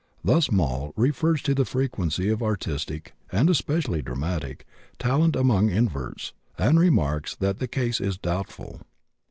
Thus, Moll refers to the frequency of artistic, and especially dramatic, talent among inverts, and remarks that the cause is doubtful.